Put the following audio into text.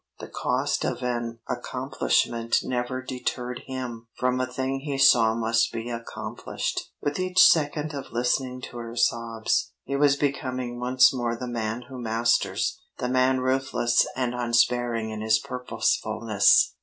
The cost of an accomplishment never deterred him from a thing he saw must be accomplished. With each second of listening to her sobs, he was becoming once more the man who masters, the man ruthless and unsparing in his purposefulness.